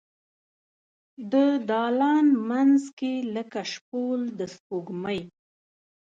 د دالان مینځ کې لکه شپول د سپوږمۍ